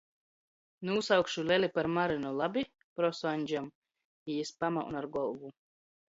"Nūsaukšu leli par Marynu, labi?" prosu Aņžam, i jis pamaun ar golvu.